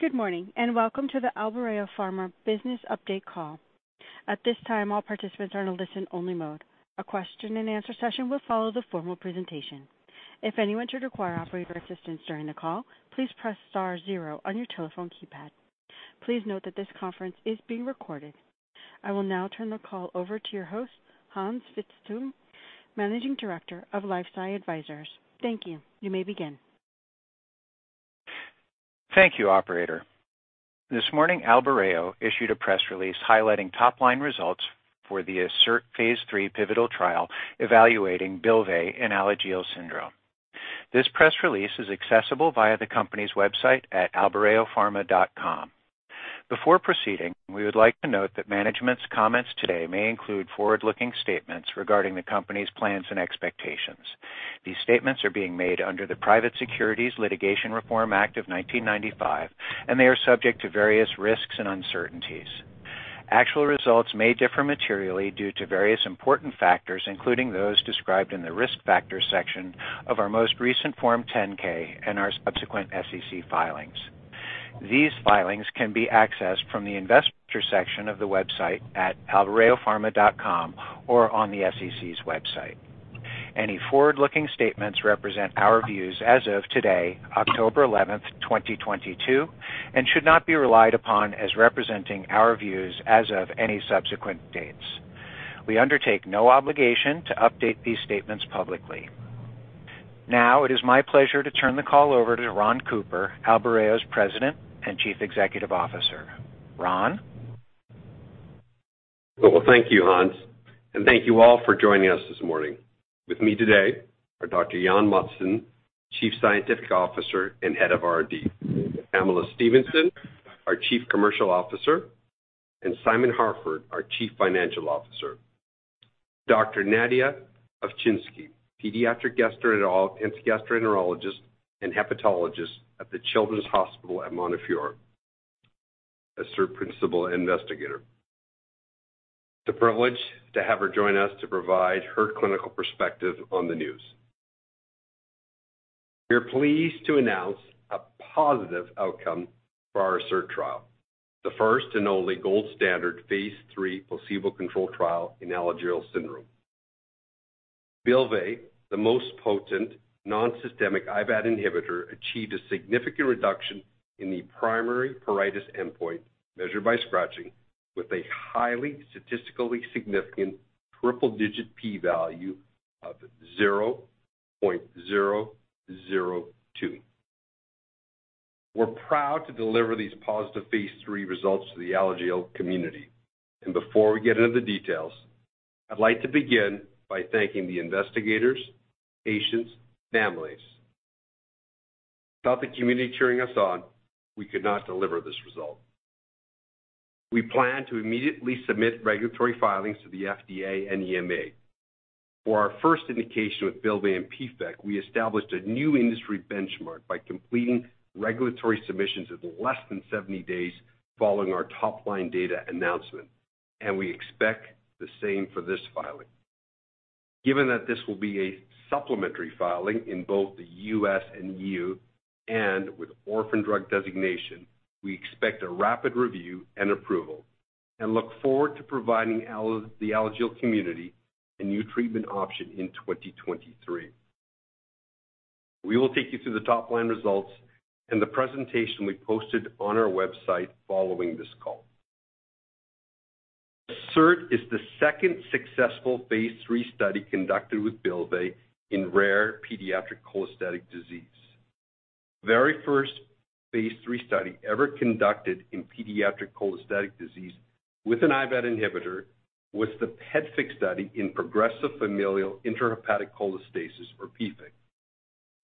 Good morning, and welcome to the Albireo Pharma Business Update Call. At this time, all participants are in a listen-only mode. A question and answer session will follow the formal presentation. If anyone should require operator assistance during the call, please press star zero on your telephone keypad. Please note that this conference is being recorded. I will now turn the call over to your host, Hans Vitzthum, Managing Director of LifeSci Advisors. Thank you. You may begin. Thank you, operator. This morning, Albireo issued a press release highlighting top-line results for the ASSERT phase III pivotal trial evaluating Bylvay in Alagille syndrome. This press release is accessible via the company's website at albireopharma.com. Before proceeding, we would like to note that management's comments today may include forward-looking statements regarding the company's plans and expectations. These statements are being made under the Private Securities Litigation Reform Act of 1995, and they are subject to various risks and uncertainties. Actual results may differ materially due to various important factors, including those described in the Risk Factors section of our most recent Form 10-K and our subsequent SEC filings. These filings can be accessed from the investor section of the website at albireopharma.com or on the SEC's website. Any forward-looking statements represent our views as of today, October 11, 2022, and should not be relied upon as representing our views as of any subsequent dates. We undertake no obligation to update these statements publicly. Now it is my pleasure to turn the call over to Ron Cooper, Albireo Pharma's President and Chief Executive Officer. Ron? Well, thank you, Hans, and thank you all for joining us this morning. With me today are Dr. Jan Mattsson, Chief Scientific Officer and Head of R&D. Pamela Stephenson, our Chief Commercial Officer, and Simon Harford, our Chief Financial Officer. Dr. Nadia Ovchinsky, pediatric gastroenterologist and hepatologist at the Children's Hospital at Montefiore, ASSERT principal investigator. It's a privilege to have her join us to provide her clinical perspective on the news. We are pleased to announce a positive outcome for our ASSERT trial, the first and only gold standard phase three placebo-controlled trial in Alagille syndrome. Bylvay, the most potent non-systemic IBAT inhibitor, achieved a significant reduction in the primary pruritus endpoint measured by scratching with a highly statistically significant triple-digit P value of 0.002. We're proud to deliver these positive phase three results to the Alagille community. Before we get into the details, I'd like to begin by thanking the investigators, patients, families. Without the community cheering us on, we could not deliver this result. We plan to immediately submit regulatory filings to the FDA and EMA. For our first indication with Bylvay and PFIC, we established a new industry benchmark by completing regulatory submissions in less than 70 days following our top-line data announcement, and we expect the same for this filing. Given that this will be a supplementary filing in both the U.S and EU, and with Orphan Drug Designation, we expect a rapid review and approval and look forward to providing the Alagille community a new treatment option in 2023. We will take you through the top-line results in the presentation we posted on our website following this call. ASSERT is the second successful phase III study conducted with Bylvay in rare pediatric cholestatic disease. The very first phase III study ever conducted in pediatric cholestatic disease with an IBAT inhibitor was the PFIC study in Progressive Familial Intrahepatic Cholestasis, or PFIC.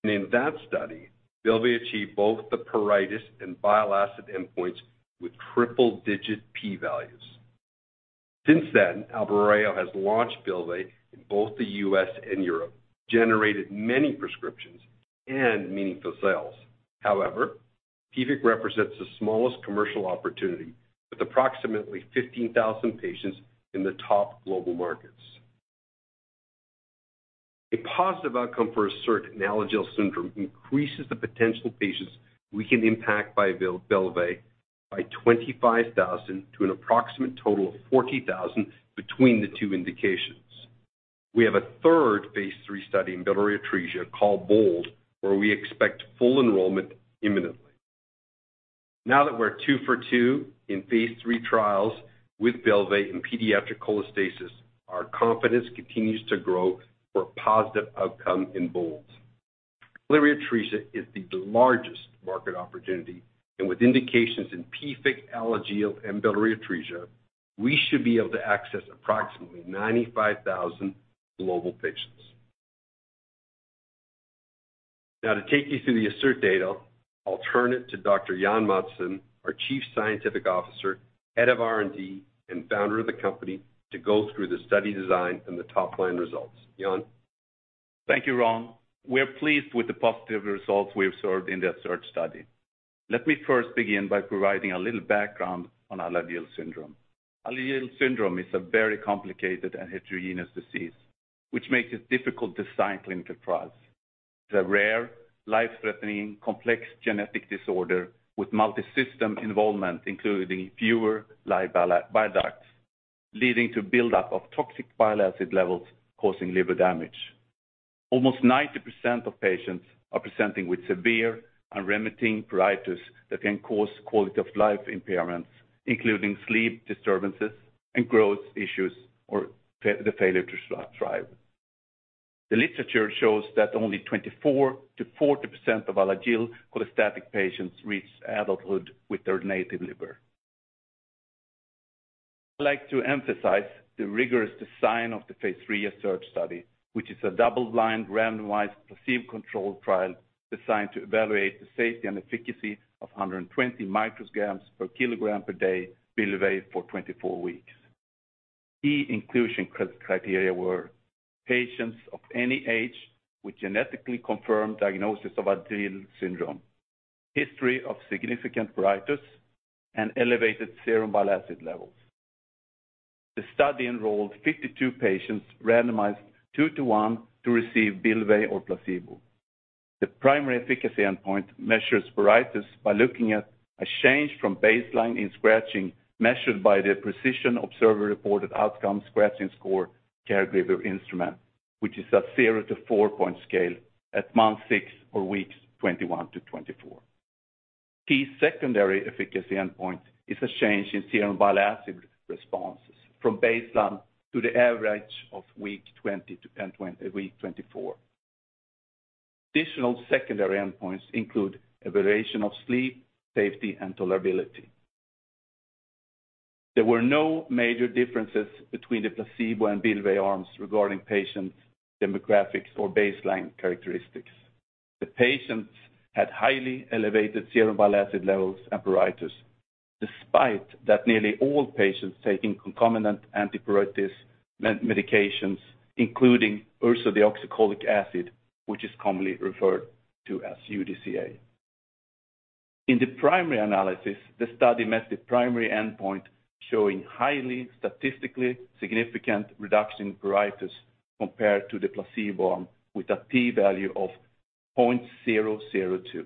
In that study, Bylvay achieved both the pruritus and bile acid endpoints with triple-digit P values. Since then, Albireo has launched Bylvay in both the U.S. and Europe, generated many prescriptions and meaningful sales. However, PFIC represents the smallest commercial opportunity, with approximately 15,000 patients in the top global markets. A positive outcome for ASSERT in Alagille syndrome increases the potential patients we can impact by Bylvay by 25,000 to an approximate total of 40,000 between the two indications. We have a third phase 3 study in biliary atresia called BOLD, where we expect full enrollment imminently. Now that we're two for two in phase III trials with Bylvay in pediatric cholestasis, our confidence continues to grow for a positive outcome in BOLD. Biliary atresia is the largest market opportunity. With indications in PFIC, Alagille, and biliary atresia, we should be able to access approximately 95,000 global patients. Now to take you through the ASSERT data, I'll turn it to Dr. Jan Mattsson, our Chief Scientific Officer, head of R&D, and founder of the company, to go through the study design and the top-line results. Jan? Thank you, Ron. We are pleased with the positive results we observed in the ASSERT study. Let me first begin by providing a little background on Alagille syndrome. Alagille syndrome is a very complicated and heterogeneous disease. Which makes it difficult to design clinical trials. It's a rare, life-threatening, complex genetic disorder with multi-system involvement, including fewer liver bile ducts, leading to buildup of toxic bile acid levels causing liver damage. Almost 90% of patients are presenting with severe unremitting pruritus that can cause quality of life impairments, including sleep disturbances and growth issues or the failure to thrive. The literature shows that only 24%-40% of Alagille cholestatic patients reach adulthood with their native liver. I'd like to emphasize the rigorous design of the phase 3 ASSERT study, which is a double-blind, randomized, placebo-controlled trial designed to evaluate the safety and efficacy of 120 micrograms per kilogram per day Bylvay for 24 weeks. Key inclusion criteria were patients of any age with genetically confirmed diagnosis of Alagille syndrome, history of significant pruritus, and elevated serum bile acid levels. The study enrolled 52 patients randomized two to one to receive Bylvay or placebo. The primary efficacy endpoint measures pruritus by looking at a change from baseline in scratching measured by the PRUCISION Observer-Reported Outcome scratching score caregiver instrument, which is a zero to four point scale at month six or weeks 21-24. Key secondary efficacy endpoint is a change in serum bile acid responses from baseline to the average of week 20 to week 24. Additional secondary endpoints include evaluation of sleep, safety, and tolerability. There were no major differences between the placebo and Bylvay arms regarding patients' demographics or baseline characteristics. The patients had highly elevated serum bile acid levels and pruritus, despite that nearly all patients taking concomitant antipruritus medications, including ursodeoxycholic acid, which is commonly referred to as UDCA. In the primary analysis, the study met the primary endpoint showing highly statistically significant reduction in pruritus compared to the placebo arm with a P value of 0.002.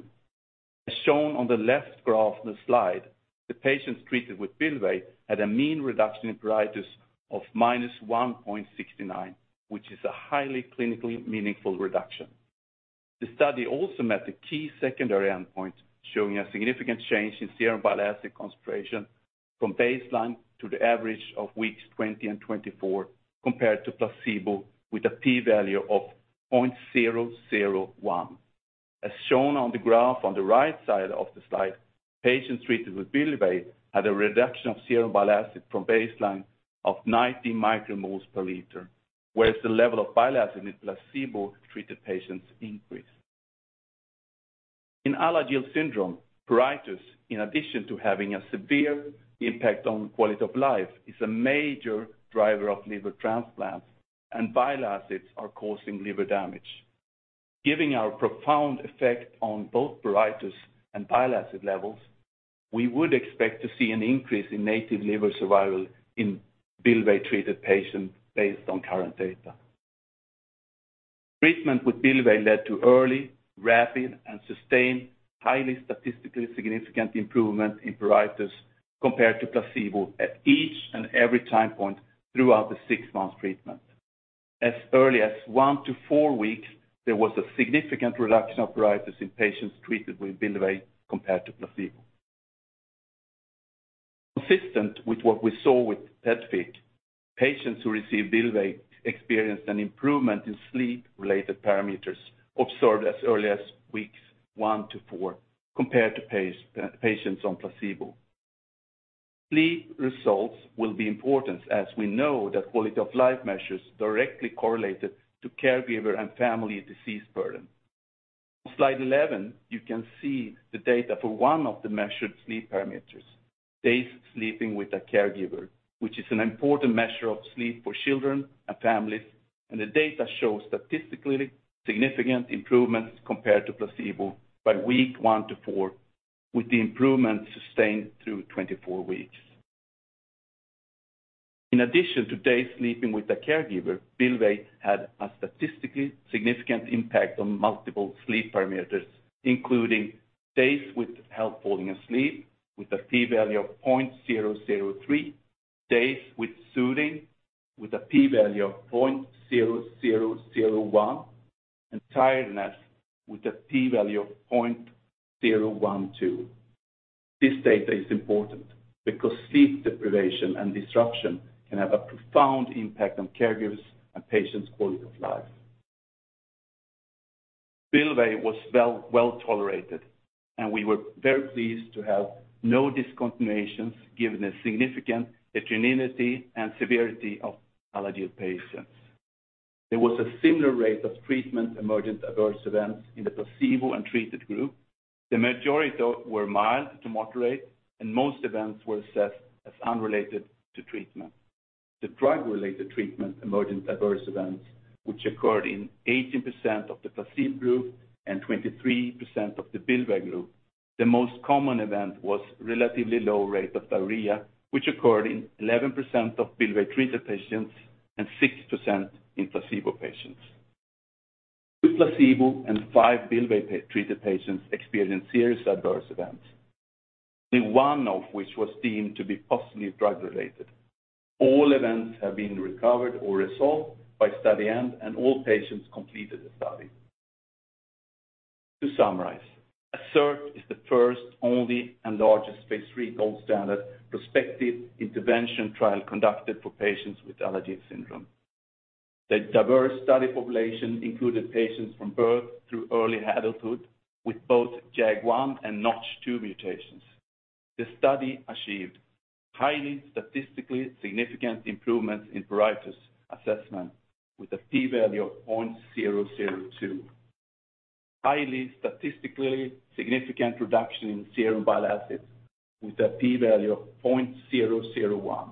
As shown on the left graph of the slide, the patients treated with Bylvay had a mean reduction in pruritus of -1.69, which is a highly clinically meaningful reduction. The study also met the key secondary endpoint, showing a significant change in serum bile acid concentration from baseline to the average of weeks 20 and 24 compared to placebo with a P value of 0.001. As shown on the graph on the right side of the slide, patients treated with Bylvay had a reduction of serum bile acid from baseline of 90 micromoles per liter, whereas the level of bile acid in placebo-treated patients increased. In Alagille syndrome, pruritus, in addition to having a severe impact on quality of life, is a major driver of liver transplants, and bile acids are causing liver damage. Given our profound effect on both pruritus and bile acid levels, we would expect to see an increase in native liver survival in Bylvay-treated patients based on current data. Treatment with Bylvay led to early, rapid, and sustained highly statistically significant improvement in pruritus compared to placebo at each and every time point throughout the 6-month treatment. As early as 1-4 weeks, there was a significant reduction of pruritus in patients treated with Bylvay compared to placebo. Consistent with what we saw with PEDFIC, patients who received Bylvay experienced an improvement in sleep-related parameters observed as early as weeks 1-4 compared to patients on placebo. Sleep results will be important as we know that quality of life measures directly correlated to caregiver and family disease burden. On slide 11, you can see the data for one of the measured sleep parameters, days sleeping with a caregiver, which is an important measure of sleep for children and families. The data shows statistically significant improvements compared to placebo by week 1-4, with the improvements sustained through 24 weeks. In addition to days sleeping with a caregiver, Bylvay had a statistically significant impact on multiple sleep parameters, including days with help falling asleep with a P value of 0.003, days with soothing with a P value of 0.0001, and tiredness with a P value of 0.012. This data is important because sleep deprivation and disruption can have a profound impact on caregivers' and patients' quality of life. Bylvay was well-tolerated, and we were very pleased to have no discontinuations given the significant heterogeneity and severity of Alagille patients. There was a similar rate of treatment emergent adverse events in the placebo and treated group. The majority, though, were mild to moderate, and most events were assessed as unrelated to treatment. The drug-related treatment emergent adverse events, which occurred in 18% of the placebo group and 23% of the Bylvay group. The most common event was relatively low rate of diarrhea, which occurred in 11% of Bylvay-treated patients and 6% in placebo patients. Two placebo and five Bylvay-treated patients experienced serious adverse events, only one of which was deemed to be possibly drug-related. All events have been recovered or resolved by study end, and all patients completed the study. To summarize, ASSERT is the first, only, and largest phase III gold standard prospective intervention trial conducted for patients with Alagille syndrome. The diverse study population included patients from birth through early adulthood with both JAG1 and NOTCH2 mutations. The study achieved highly statistically significant improvements in pruritus assessment with a P value of 0.002. Highly statistically significant reduction in serum bile acids with a P value of 0.001.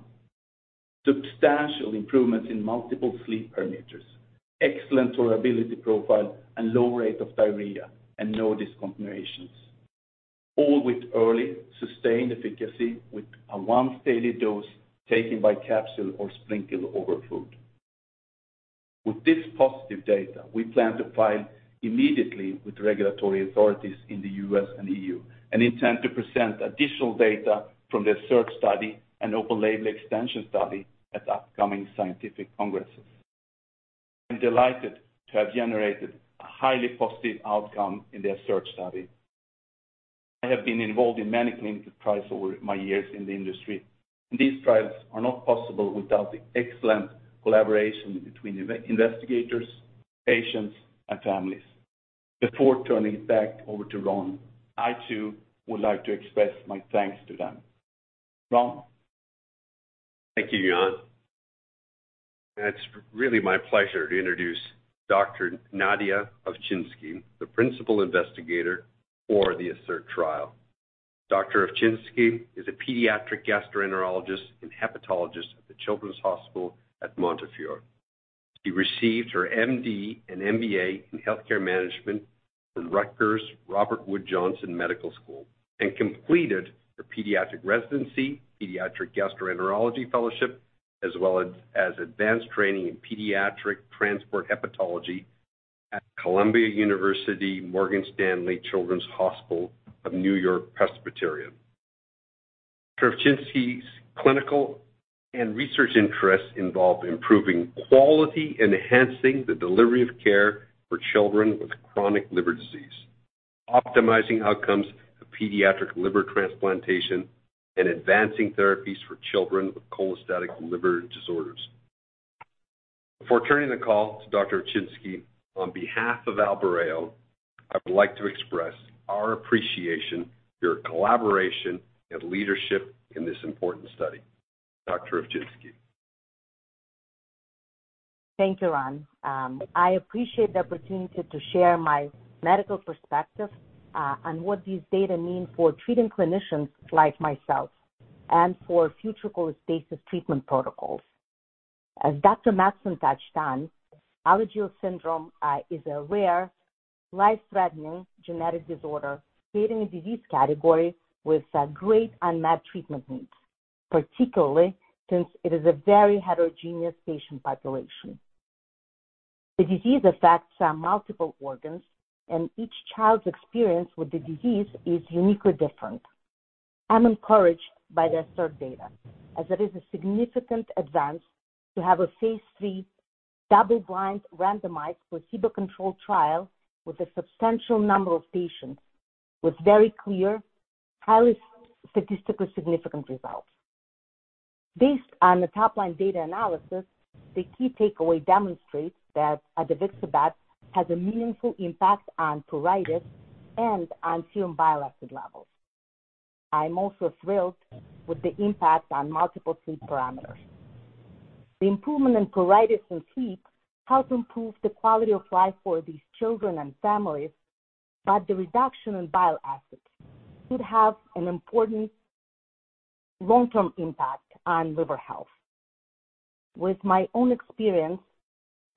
Substantial improvements in multiple sleep parameters, excellent tolerability profile and low rate of diarrhea and no discontinuations. All with early sustained efficacy with a once daily dose taken by capsule or sprinkle over food. With this positive data, we plan to file immediately with regulatory authorities in the U.S. and E.U., and intend to present additional data from the ASSERT study and open label extension study at upcoming scientific congresses. I'm delighted to have generated a highly positive outcome in the ASSERT study. I have been involved in many clinical trials over my years in the industry. These trials are not possible without the excellent collaboration between investigators, patients, and families. Before turning it back over to Ron, I too would like to express my thanks to them. Ron? Thank you, Jan. It's really my pleasure to introduce Dr. Nadia Ovchinsky, the principal investigator for the ASSERT trial. Dr. Ovchinsky is a pediatric gastroenterologist and hepatologist at the Children's Hospital at Montefiore. She received her M.D. and M.B.A. in Healthcare Management from Rutgers Robert Wood Johnson Medical School, and completed her pediatric residency, pediatric gastroenterology fellowship, as well as advanced training in pediatric transplant hepatology at Columbia University Morgan Stanley Children's Hospital of NewYork-Presbyterian. Dr. Ovchinsky's clinical and research interests involve improving quality, enhancing the delivery of care for children with chronic liver disease, optimizing outcomes of pediatric liver transplantation, and advancing therapies for children with cholestatic liver disorders. Before turning the call to Dr. Ovchinsky, on behalf of Albireo, I would like to express our appreciation for your collaboration and leadership in this important study. Dr. Ovchinsky. Thank you, Ron. I appreciate the opportunity to share my medical perspective on what these data mean for treating clinicians like myself and for future cholestasis treatment protocols. As Dr. Mattsson touched on, Alagille syndrome is a rare, life-threatening genetic disorder fitting a disease category with a great unmet treatment needs, particularly since it is a very heterogeneous patient population. The disease affects multiple organs, and each child's experience with the disease is uniquely different. I'm encouraged by the ASSERT data, as it is a significant advance to have a phase III double-blind randomized placebo-controlled trial with a substantial number of patients with very clear, highly statistically significant results. Based on the top-line data analysis, the key takeaway demonstrates that odevixibat has a meaningful impact on pruritus and on serum bile acid levels. I'm also thrilled with the impact on multiple sleep parameters. The improvement in pruritus and sleep helps improve the quality of life for these children and families, but the reduction in bile acids could have an important long-term impact on liver health. With my own experience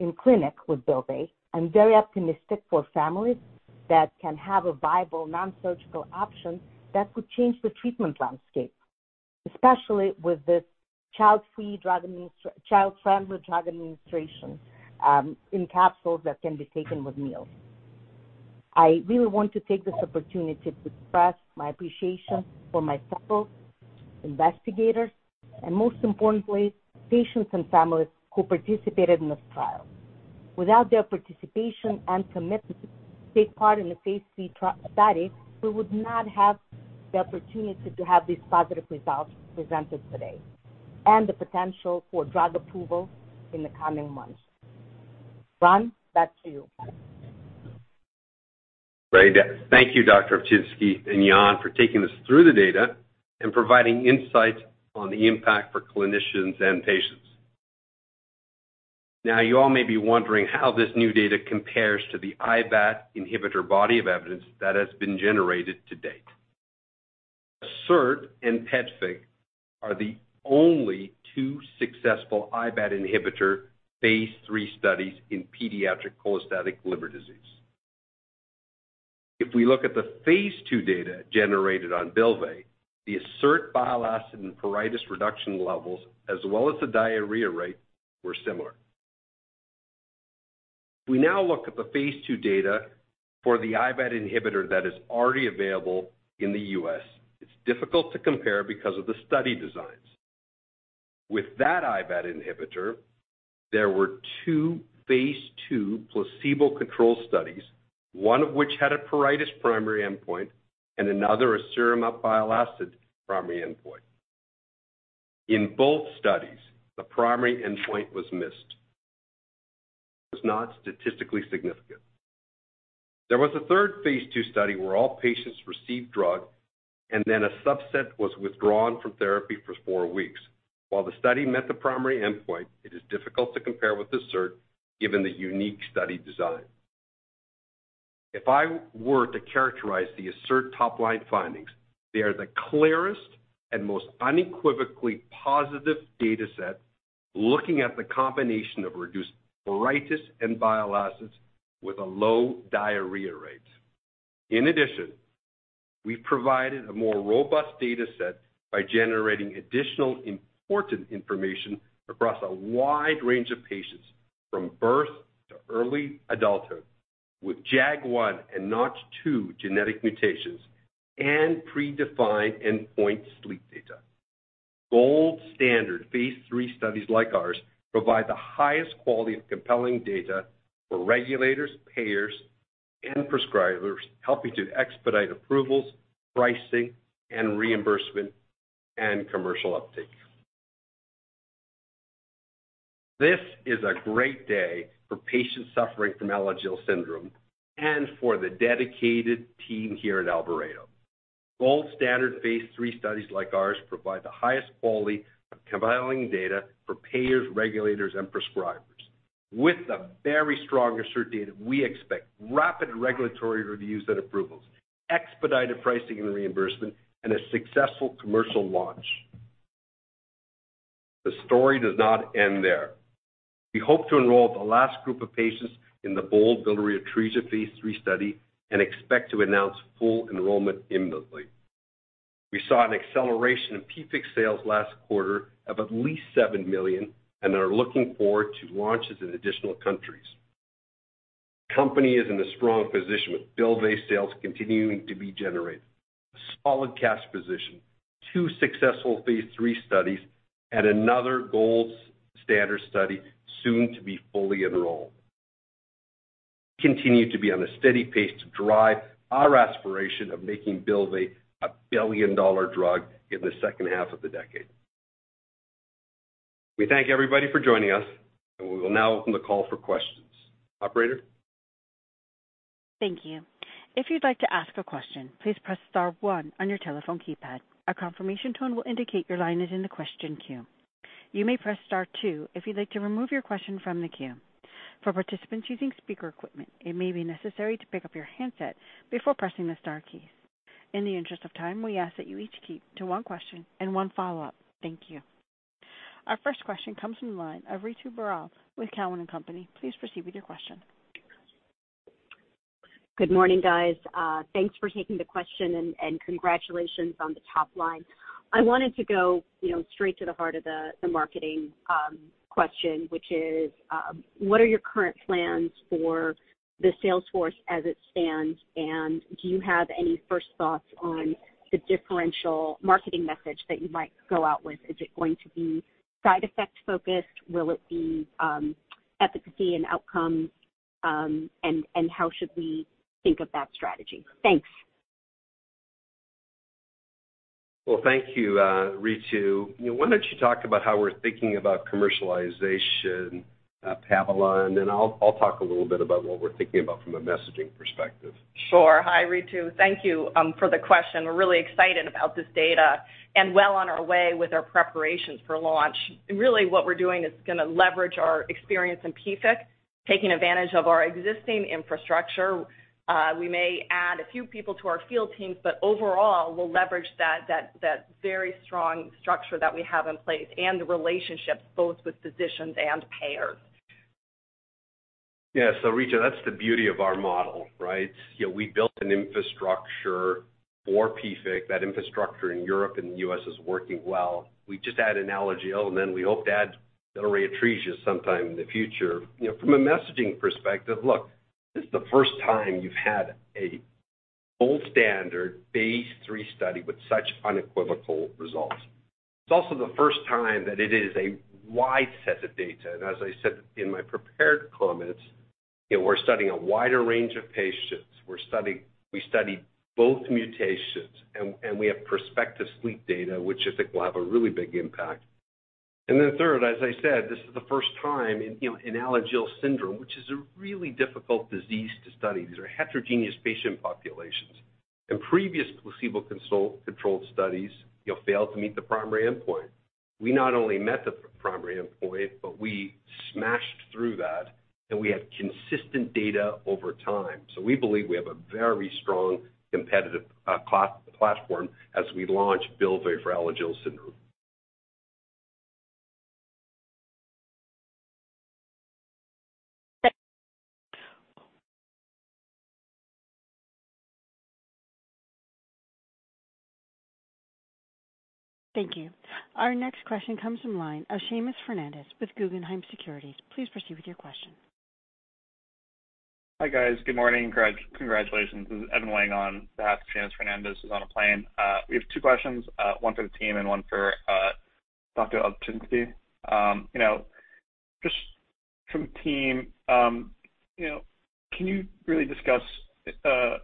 in clinic with Bylvay, I'm very optimistic for families that can have a viable non-surgical option that could change the treatment landscape, especially with this child-friendly drug administration in capsules that can be taken with meals. I really want to take this opportunity to express my appreciation for my fellow investigators and most importantly, patients and families who participated in this trial. Without their participation and commitment to take part in the phase 3 study, we would not have the opportunity to have these positive results presented today and the potential for drug approval in the coming months. Ron, back to you. Great. Thank you, Dr. Ovchinsky and Jan for taking us through the data and providing insight on the impact for clinicians and patients. Now, you all may be wondering how this new data compares to the IBAT inhibitor body of evidence that has been generated to date. ASSERT and PEDFIC are the only two successful IBAT inhibitor phase III studies in pediatric cholestatic liver disease. If we look at the phase II data generated on Bylvay, the ASSERT bile acid and pruritus reduction levels as well as the diarrhea rate were similar. If we now look at the phase II data for the IBAT inhibitor that is already available in the U.S., it's difficult to compare because of the study designs. With that IBAT inhibitor, there were two phase II placebo-controlled studies, one of which had a pruritus primary endpoint and another a serum bile acid primary endpoint. In both studies, the primary endpoint was missed. It was not statistically significant. There was a third phase II study where all patients received drug and then a subset was withdrawn from therapy for four weeks. While the study met the primary endpoint, it is difficult to compare with ASSERT given the unique study design. If I were to characterize the ASSERT top-line findings, they are the clearest and most unequivocally positive data set looking at the combination of reduced pruritus and bile acids with a low diarrhea rate. In addition, we provided a more robust data set by generating additional important information across a wide range of patients from birth to early adulthood with JAG1 and NOTCH2 genetic mutations and predefined endpoint sleep data. Gold standard phase 3 studies like ours provide the highest quality of compelling data for regulators, payers, and prescribers, helping to expedite approvals, pricing and reimbursement and commercial uptake. This is a great day for patients suffering from Alagille syndrome and for the dedicated team here at Albireo. Gold standard phase III studies like ours provide the highest quality of compelling data for payers, regulators, and prescribers. With the very strong ASSERT data, we expect rapid regulatory reviews and approvals, expedited pricing and reimbursement, and a successful commercial launch. The story does not end there. We hope to enroll the last group of patients in the BOLD biliary atresia phase III study and expect to announce full enrollment imminently. We saw an acceleration in PFIC sales last quarter of at least $7 million and are looking forward to launches in additional countries. The company is in a strong position with Bylvay sales continuing to be generated. A solid cash position, two successful phase III studies, and another gold standard study soon to be fully enrolled. We continue to be on a steady pace to drive our aspiration of making Bylvay a billion-dollar drug in the second half of the decade. We thank everybody for joining us, and we will now open the call for questions. Operator? Thank you. If you'd like to ask a question, please press star one on your telephone keypad. A confirmation tone will indicate your line is in the question queue. You may press star two if you'd like to remove your question from the queue. For participants using speaker equipment, it may be necessary to pick up your handset before pressing the star keys. In the interest of time, we ask that you each keep to one question and one follow-up. Thank you. Our first question comes from the line of Ritu Baral with Cowen and Company. Please proceed with your question. Good morning, guys. Thanks for taking the question and congratulations on the top line. I wanted to go, you know, straight to the heart of the marketing question, which is, what are your current plans for the sales force as it stands? Do you have any first thoughts on the differential marketing message that you might go out with? Is it going to be side effect-focused? Will it be efficacy and outcomes? How should we think of that strategy? Thanks. Well, thank you, Ritu. Why don't you talk about how we're thinking about commercialization, Pamela, and then I'll talk a little bit about what we're thinking about from a messaging perspective. Sure. Hi, Ritu. Thank you for the question. We're really excited about this data and well on our way with our preparations for launch. Really what we're doing is gonna leverage our experience in PFIC, taking advantage of our existing infrastructure. We may add a few people to our field teams, but overall, we'll leverage that very strong structure that we have in place and the relationships both with physicians and payers. Yeah. Ritu, that's the beauty of our model, right? You know, we built an infrastructure for PFIC. That infrastructure in Europe and the U.S is working well. We just add Alagille, and then we hope to add biliary atresia sometime in the future. You know, from a messaging perspective, look, this is the first time you've had a gold standard phase III study with such unequivocal results. It's also the first time that it is a wide set of data. As I said in my prepared comments, you know, we're studying a wider range of patients. We studied both mutations and we have prospective sleep data, which I think will have a really big impact. Then third, as I said, this is the first time in, you know, in Alagille syndrome, which is a really difficult disease to study. These are heterogeneous patient populations. In previous placebo-controlled studies, you know, failed to meet the primary endpoint. We not only met the primary endpoint, but we smashed through that, and we had consistent data over time. We believe we have a very strong competitive platform as we launch Bylvay for Alagille syndrome. Thank you. Our next question comes from line of Seamus Fernandez with Guggenheim Securities. Please proceed with your question. Hi, guys. Good morning. Congratulations. This is Evan weighing in on behalf of Seamus Fernandez, who is on a plane. We have two questions, one for the team and one for Dr. Ovchinsky. You know, just from the team, you know, can you really discuss just a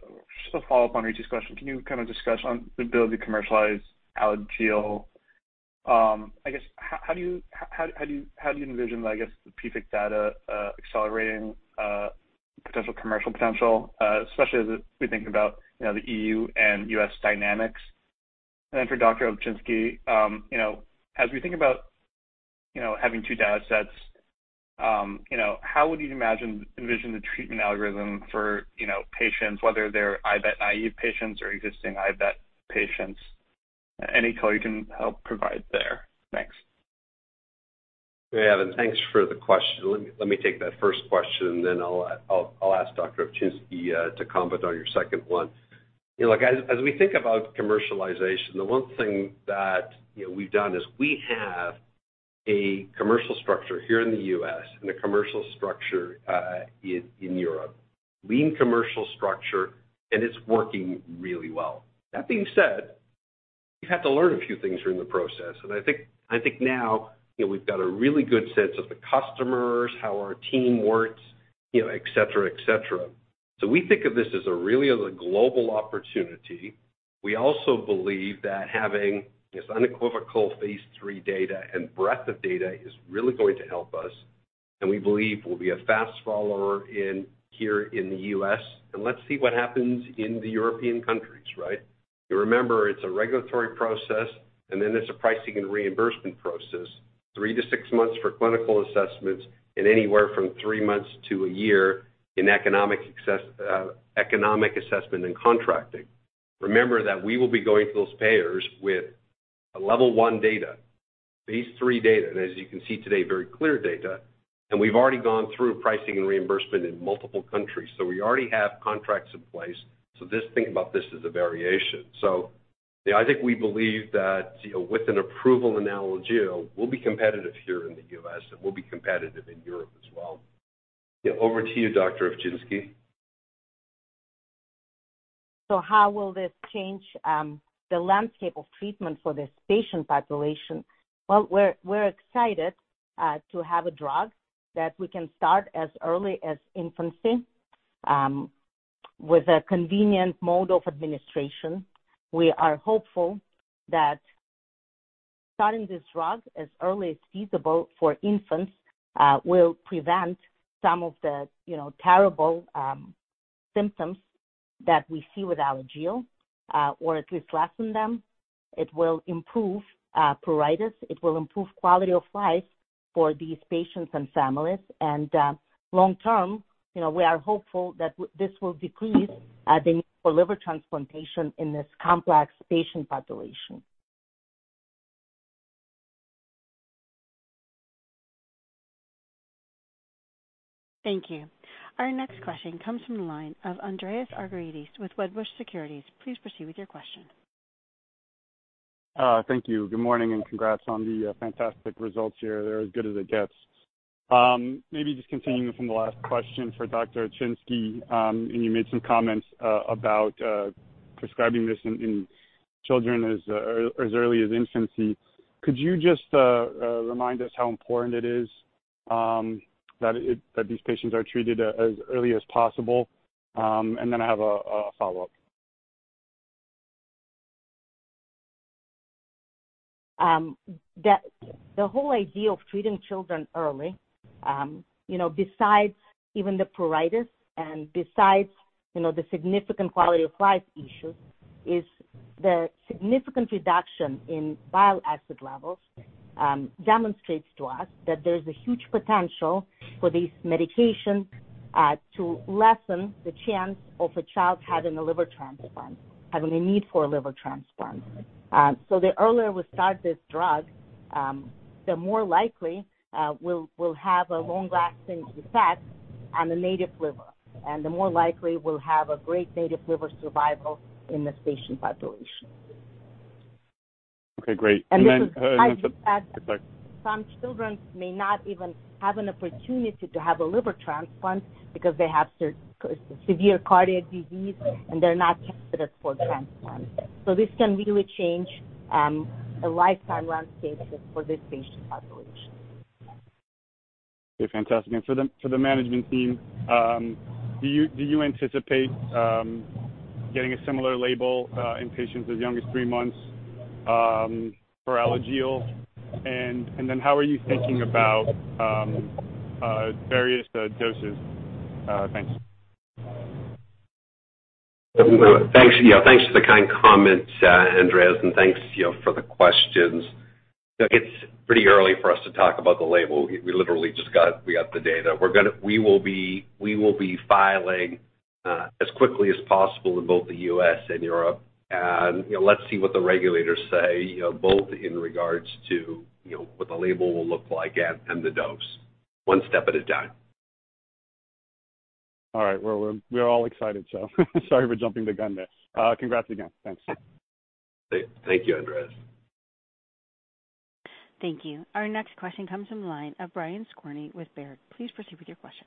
follow-up on Ritu's question. Can you kinda discuss the ability to commercialize Alagille? I guess, how do you envision the PFIC data accelerating potential commercial potential, especially as we think about, you know, the EU and US dynamics? Then for Dr. Ovchinsky, you know, as we think about having two datasets, you know, how would you envision the treatment algorithm for patients, whether they're IBAT-naïve patients or existing IBAT patients? Any color you can help provide there. Thanks. Hey, Evan. Thanks for the question. Let me take that first question, and then I'll ask Dr. Ovchinsky to comment on your second one. You know, like, as we think about commercialization, the one thing that, you know, we've done is we have a commercial structure here in the U.S. and a commercial structure in Europe. Lean commercial structure, and it's working really well. That being said, we've had to learn a few things during the process, and I think now, you know, we've got a really good sense of the customers, how our team works, you know, et cetera, et cetera. We think of this as a really, as a global opportunity We also believe that having this unequivocal phase three data and breadth of data is really going to help us, and we believe we'll be a fast follower in here in the U.S., and let's see what happens in the European countries, right? You remember it's a regulatory process, and then it's a pricing and reimbursement process. Three to six months for clinical assessments and anywhere from three months to a year in economic assessment and contracting. Remember that we will be going to those payers with a level one data, phase three data, and as you can see today, very clear data. We've already gone through pricing and reimbursement in multiple countries. We already have contracts in place, so just think about this as a variation. you know, I think we believe that, you know, with an approval in Alagille, we'll be competitive here in the U.S., and we'll be competitive in Europe as well. Over to you, Dr. Ovchinsky. How will this change the landscape of treatment for this patient population? We're excited to have a drug that we can start as early as infancy with a convenient mode of administration. We are hopeful that starting this drug as early as feasible for infants will prevent some of the, you know, terrible symptoms that we see with Alagille or at least lessen them. It will improve pruritus. It will improve quality of life for these patients and families. Long term, you know, we are hopeful that this will decrease the need for liver transplantation in this complex patient population. Thank you. Our next question comes from the line of Andreas Argyrides with Wedbush Securities. Please proceed with your question. Thank you. Good morning, and congrats on the fantastic results here. They're as good as it gets. Maybe just continuing from the last question for Dr. Ovchinsky, and you made some comments about prescribing this in children as early as infancy. Could you just remind us how important it is that these patients are treated as early as possible? I have a follow-up. The whole idea of treating children early, you know, besides even the pruritus and besides, you know, the significant quality of life issues is the significant reduction in bile acid levels, demonstrates to us that there is a huge potential for these medications, to lessen the chance of a child having a need for a liver transplant. The earlier we start this drug, the more likely we'll have a long-lasting effect on the native liver, and the more likely we'll have a great native liver survival in this patient population. Okay, great. I should add. Sorry. Some children may not even have an opportunity to have a liver transplant because they have severe cardiac disease, and they're not candidates for transplant. This can really change a lifetime landscape for this patient population. Okay, fantastic. For the management team, do you anticipate getting a similar label in patients as young as three months for Alagille? How are you thinking about various doses? Thanks. Thanks. Yeah, thanks for the kind comments, Andreas, and thanks, you know, for the questions. Look, it's pretty early for us to talk about the label. We literally just got the data. We will be filing as quickly as possible in both the U.S. and Europe. You know, let's see what the regulators say, you know, both in regards to, you know, what the label will look like and the dose. One step at a time. All right. Well, we're all excited, so sorry for jumping the gun there. Congrats again. Thanks. Thank you, Andreas. Thank you. Our next question comes from the line of Brian Skorney with Baird. Please proceed with your question.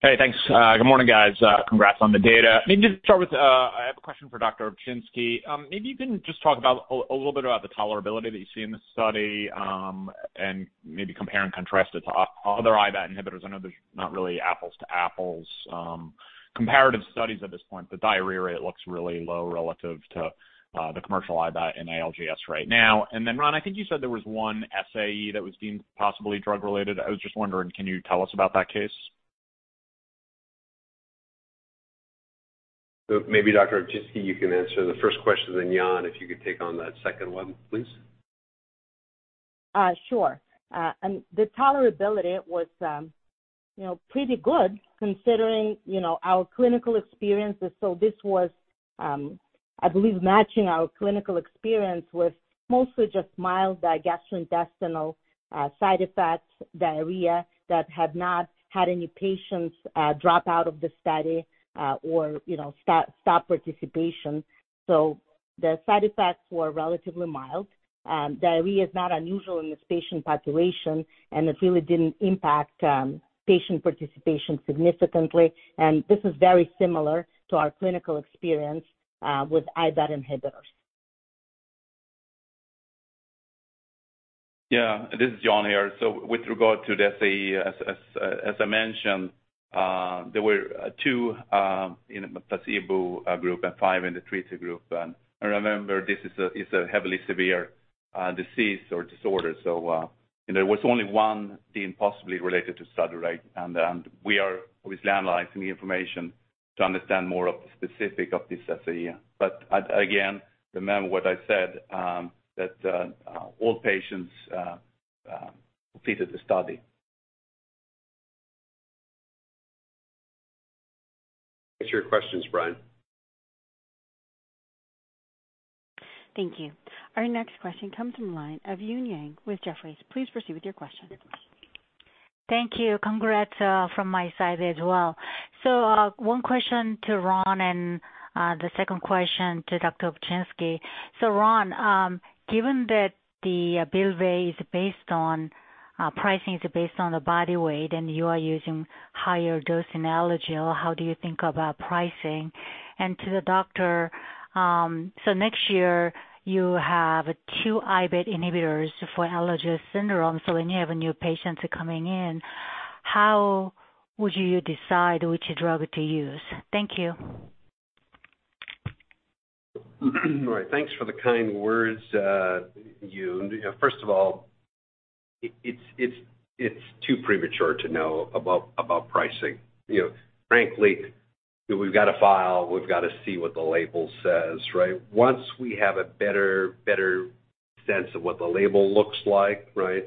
Hey, thanks. Good morning, guys. Congrats on the data. Maybe just start with, I have a question for Dr. Ovchinsky. Maybe you can just talk about a little bit about the tolerability that you see in the study, and maybe compare and contrast it to other IBAT inhibitors. I know there's not really apples to apples, comparative studies at this point. The diarrhea rate looks really low relative to, the commercial IBAT in ALGS right now. Ron, I think you said there was one SAE that was deemed possibly drug-related. I was just wondering, can you tell us about that case? Maybe Dr. Ovchinsky, you can answer the first question, then Jan, if you could take on that second one, please. Sure. The tolerability was, you know, pretty good considering, you know, our clinical experiences. This was, I believe matching our clinical experience with mostly just mild gastrointestinal, side effects, diarrhea that have not had any patients, drop out of the study, or, you know, stop participation. The side effects were relatively mild. Diarrhea is not unusual in this patient population, and it really didn't impact, patient participation significantly. This is very similar to our clinical experience with IBAT inhibitors. Yeah, this is Jan here. With regard to the SAE, as I mentioned, there were two in the placebo group and five in the treated group. Remember, this is a heavily severe disease or disorder. You know, it was only one deemed possibly related to study, right? We are obviously analyzing the information to understand more of the specifics of this SAE. Again, remember what I said, that all patients completed the study. Thanks for your questions, Brian. Thank you. Our next question comes from the line of Eun Yang with Jefferies. Please proceed with your question. Thank you. Congrats from my side as well. One question to Ron and the second question to Dr. Ovchinsky. Ron, given that the Bylvay is based on pricing is based on the body weight and you are using higher dose in ALGS, how do you think about pricing? To the doctor, next year you have two IBAT inhibitors for Alagille syndrome. When you have a new patient coming in, how would you decide which drug to use? Thank you. All right. Thanks for the kind words, Eun. First of all, it's too premature to know about pricing. You know, frankly, we've got to file, we've got to see what the label says, right? Once we have a better sense of what the label looks like, right,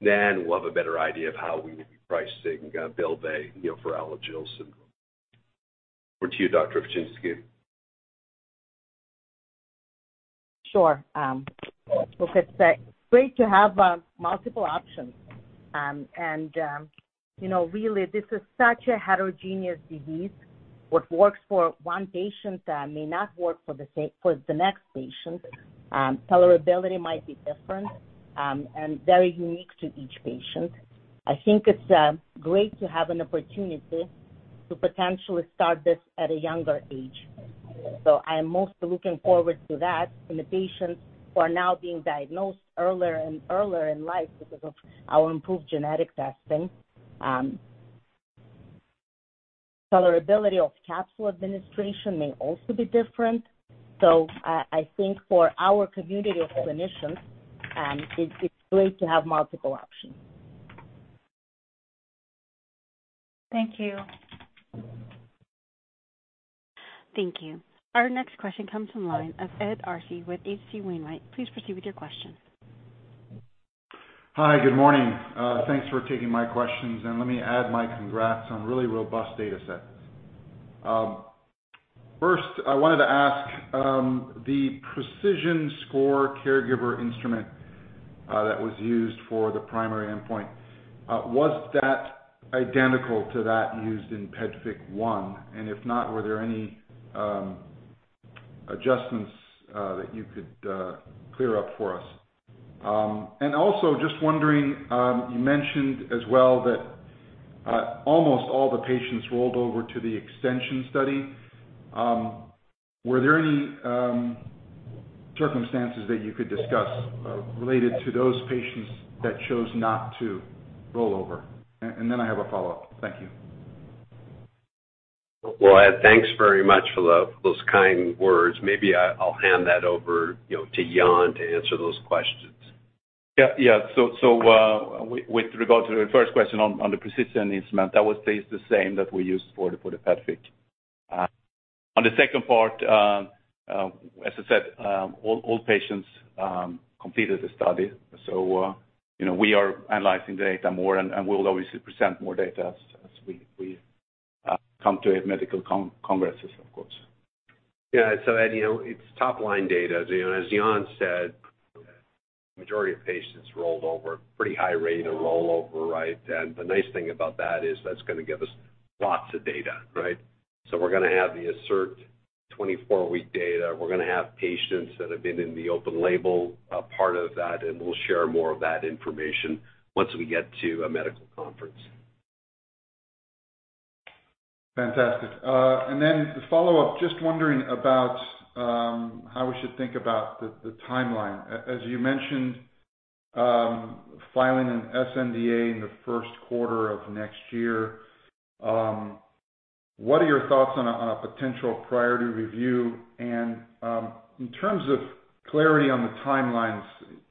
then we'll have a better idea of how we would be pricing Bylvay, you know, for Alagille syndrome. Over to you, Dr. Ovchinsky. Sure. Look, it's great to have multiple options. You know, really this is such a heterogeneous disease. What works for one patient may not work for the same, for the next patient. Tolerability might be different and very unique to each patient. I think it's great to have an opportunity to potentially start this at a younger age. I am most looking forward to that in the patients who are now being diagnosed earlier and earlier in life because of our improved genetic testing. Tolerability of capsule administration may also be different. I think for our community of clinicians, it's great to have multiple options. Thank you. Thank you. Our next question comes from line of Ed Arce with H.C. Wainwright. Please proceed with your question. Hi, good morning. Thanks for taking my questions, and let me add my congrats on really robust data sets. First, I wanted to ask, the PRUCISION score caregiver instrument that was used for the primary endpoint, was that identical to that used in PEDFIC 1? If not, were there any adjustments that you could clear up for us? Also just wondering, you mentioned as well that almost all the patients rolled over to the extension study. Were there any circumstances that you could discuss related to those patients that chose not to roll over? And then I have a follow-up. Thank you. Well, Ed, thanks very much for those kind words. Maybe I'll hand that over, you know, to Jan to answer those questions. With regard to the first question on the PRUCISION instrument, that would stay the same that we used for the PEDFIC. On the second part, as I said, all patients completed the study. You know, we are analyzing the data more and we'll obviously present more data as we come to a medical congresses, of course. Yeah. Ed, you know, it's top-line data. You know, as Jan said, majority of patients rolled over, pretty high rate of rollover, right? The nice thing about that is that's gonna give us lots of data, right? We're gonna have the ASSERT 24-week data. We're gonna have patients that have been in the open label part of that, and we'll share more of that information once we get to a medical conference. Fantastic. To follow up, just wondering about how we should think about the timeline. As you mentioned, filing an sNDA in the first quarter of next year. What are your thoughts on a potential priority review? In terms of clarity on the timelines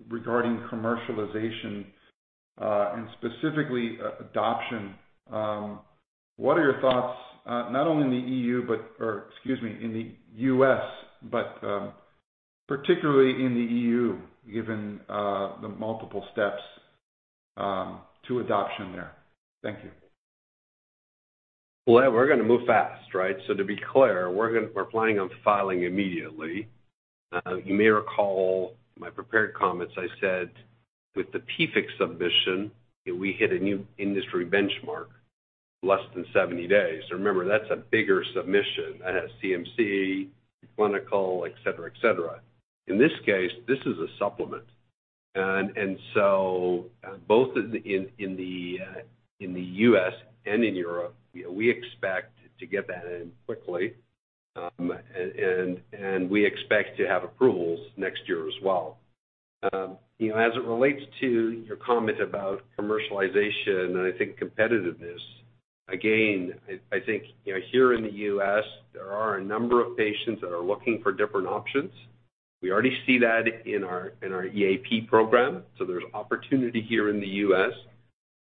regarding commercialization, and specifically adoption, what are your thoughts, not only in the US, but particularly in the EU, given the multiple steps to adoption there. Thank you. Well, Ed, we're gonna move fast, right? To be clear, we're planning on filing immediately. You may recall my prepared comments. I said with the PFIC submission, we hit a new industry benchmark less than 70 days. Remember, that's a bigger submission. That has CMC, clinical, et cetera. In this case, this is a supplement. Both in the U.S. and in Europe, you know, we expect to get that in quickly, and we expect to have approvals next year as well. You know, as it relates to your comment about commercialization and I think competitiveness, again, I think, you know, here in the U.S., there are a number of patients that are looking for different options. We already see that in our EAP program, so there's opportunity here in the U.S.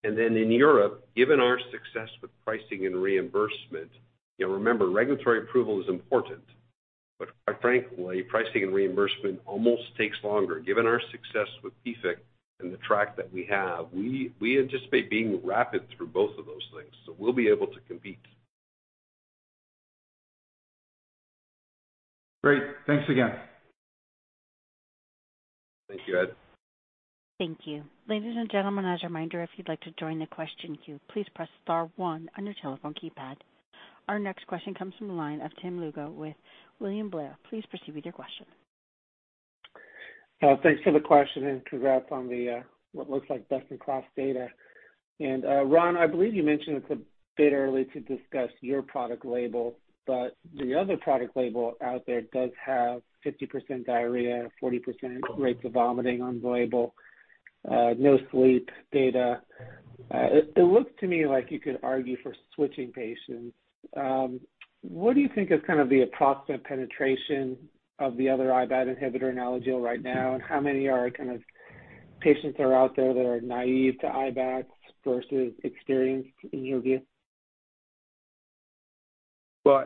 In Europe, given our success with pricing and reimbursement, you know, remember, regulatory approval is important, but quite frankly, pricing and reimbursement almost takes longer. Given our success with PFIC and the track that we have, we anticipate being rapid through both of those things, so we'll be able to compete. Great. Thanks again. Thank you, Ed. Thank you. Ladies and gentlemen, as a reminder, if you'd like to join the question queue, please press star one on your telephone keypad. Our next question comes from the line of Tim Lugo with William Blair. Please proceed with your question. Thanks for the question, and congrats on the what looks like best-in-class data. Ron, I believe you mentioned it's a bit early to discuss your product label, but the other product label out there does have 50% diarrhea, 40% rates of vomiting on the label, no sleep data. It looks to me like you could argue for switching patients. What do you think is kind of the approximate penetration of the other IBAT inhibitor in Alagille right now? How many are kind of patients that are out there that are naive to IBATs versus experienced in your view?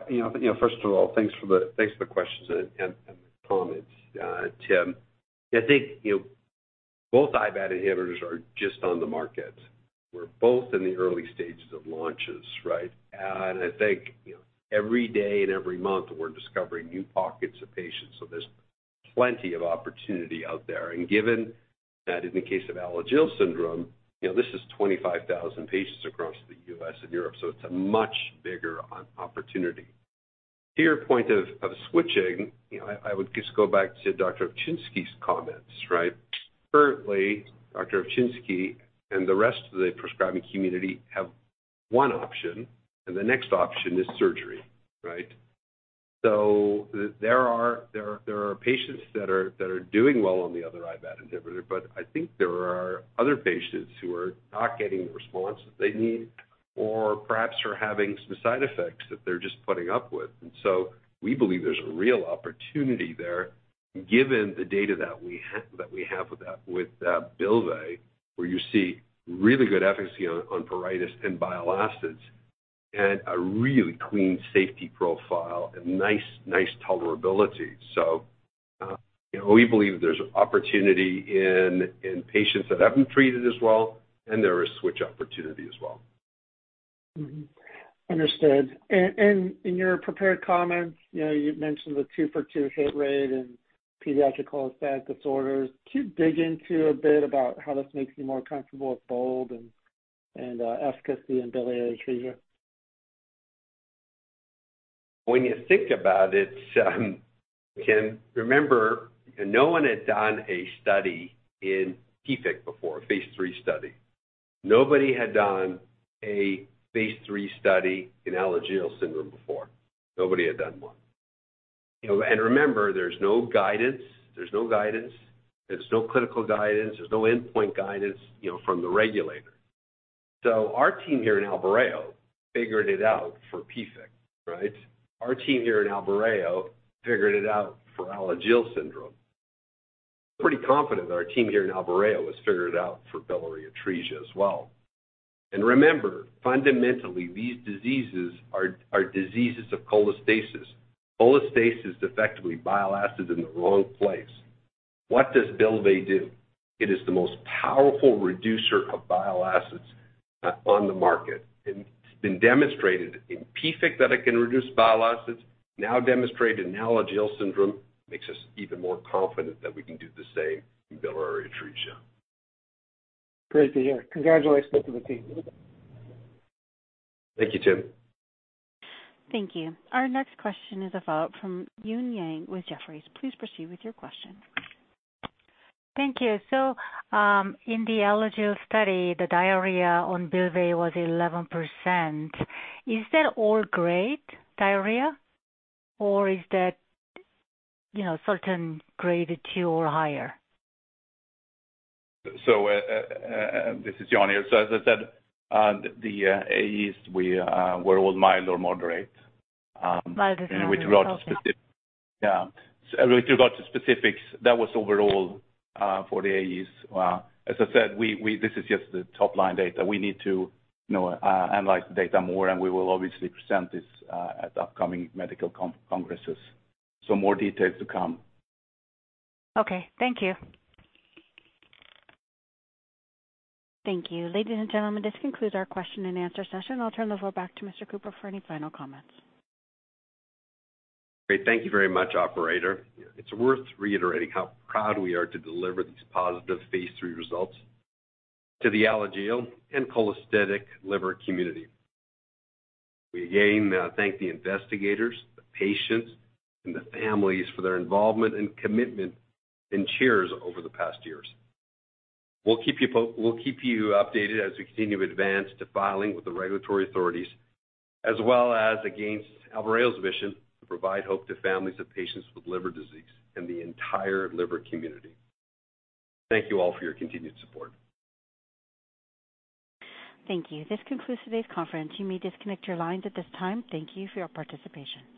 You know, first of all, thanks for the questions and comments, Tim. I think, you know, both IBAT inhibitors are just on the market. We're both in the early stages of launches, right? I think, you know, every day and every month, we're discovering new pockets of patients, so there's plenty of opportunity out there. Given that in the case of Alagille syndrome, you know, this is 25,000 patients across the U.S. and Europe, so it's a much bigger opportunity. To your point of switching, you know, I would just go back to Dr. Ovchinsky's comments, right? Currently, Dr. Ovchinsky and the rest of the prescribing community have one option, and the next option is surgery, right? There are patients that are doing well on the other IBAT inhibitor, but I think there are other patients who are not getting the response that they need or perhaps are having some side effects that they're just putting up with. We believe there's a real opportunity there given the data that we have with Bylvay, where you see really good efficacy on pruritus and bile acids and a really clean safety profile and nice tolerability. You know, we believe there's opportunity in patients that haven't treated as well, and there is switch opportunity as well. Understood. In your prepared comments, you know, you mentioned the 2 for 2 hit rate in pediatric cholestatic disorders. Could you dig into a bit about how this makes you more comfortable with BOLD and efficacy in biliary atresia? When you think about it, Tim, remember no one had done a study in PFIC before, a phase 3 study. Nobody had done a phase III study in Alagille syndrome before. Nobody had done one. You know, and remember, there's no guidance. There's no guidance. There's no clinical guidance. There's no endpoint guidance, you know, from the regulator. Our team here in Albireo figured it out for PFIC, right? Our team here in Albireo figured it out for Alagille syndrome. Pretty confident that our team here in Albireo has figured it out for biliary atresia as well. Remember, fundamentally, these diseases are diseases of cholestasis. Cholestasis is effectively bile acid in the wrong place. What does Bylvay do? It is the most powerful reducer of bile acids on the market, and it's been demonstrated in PFIC that it can reduce bile acids, now demonstrated in Alagille syndrome, makes us even more confident that we can do the same in biliary atresia. Great to hear. Congratulations to the team. Thank you, Tim. Thank you. Our next question is a follow-up from Eun Yang with Jefferies. Please proceed with your question. Thank you. In the Alagille study, the diarrhea on Bylvay was 11%. Is that all grade diarrhea or is that, you know, certain grade two or higher? This is Jan here. As I said, the AEs were all mild or moderate. Mild or moderate. Okay. With regard to specifics, that was overall for the AEs. As I said, this is just the top-line data. We need to analyze the data more, and we will obviously present this at the upcoming medical congresses. More details to come. Okay. Thank you. Thank you. Ladies and gentlemen, this concludes our question and answer session. I'll turn the floor back to Mr. Cooper for any final comments. Great. Thank you very much, operator. It's worth reiterating how proud we are to deliver these positive phase 3 results to the Alagille and cholestatic liver community. We again thank the investigators, the patients, and the families for their involvement and commitment and cheers over the past years. We'll keep you updated as we continue to advance to filing with the regulatory authorities as well as advancing Albireo's mission to provide hope to families of patients with liver disease and the entire liver community. Thank you all for your continued support. Thank you. This concludes today's conference. You may disconnect your lines at this time. Thank you for your participation.